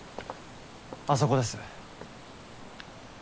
あそこです。